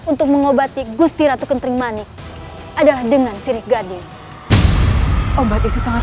untuk mengobati gusti ratu kentring manik adalah dengan sirih gading obat itu sangat